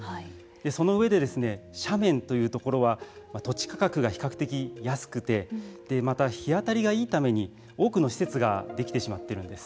その上で斜面というところは土地価格が比較的安くてまた日あたりがいいために多くの施設ができてしまっているんです。